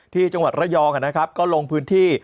ที่จังหวัดระยองนะครับก็ลงพื้นที่